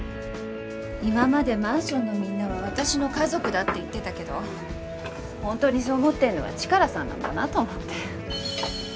今までマンションのみんなは私の家族だって言ってたけど本当にそう思ってるのはチカラさんなんだなと思って。